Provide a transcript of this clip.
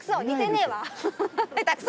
下手くそ。